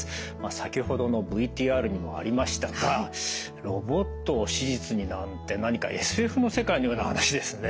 先ほどのＶＴＲにもありましたがロボットを手術になんて何かＳＦの世界のような話ですね。